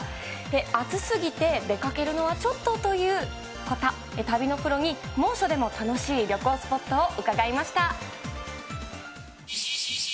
暑すぎて出かけるのはちょっとという方、旅のプロに猛暑でも楽しい旅行スポットを伺いました。